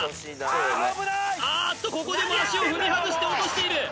ああっとここでも足を踏み外して落としている！